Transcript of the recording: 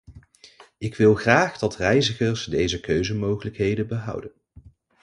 Ik wil graag dat reizigers deze keuzemogelijkheden behouden.